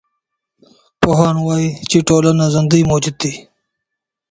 پوهان وايي چي ټولنه ژوندی موجود دی.